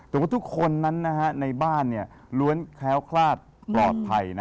แต่ว่าทุกคนนั้นในบ้านล้วนแคล้วคลาดปลอดภัย